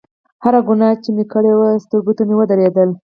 هره ګناه چې مې کړې وه سترګو ته مې ودرېدله.